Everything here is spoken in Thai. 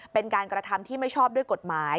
เป็นการกระทำที่ไม่ชอบด้วยกฎหมาย